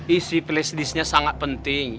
isi flashdisknya sangat penting